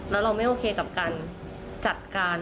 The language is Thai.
แล้วเราไม่โอเคกับการจัดการ